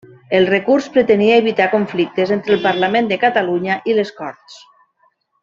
El recurs pretenia evitar conflictes entre el Parlament de Catalunya i les Corts.